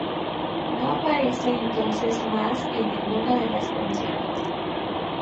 No aparece entonces más en ninguna de las canciones.